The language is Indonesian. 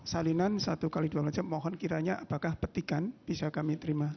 salinan satu x dua puluh jam mohon kiranya apakah petikan bisa kami terima